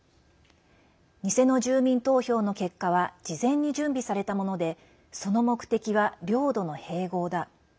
偽の住民投票の結果は事前に準備されたものでその目的は領土の併合だ。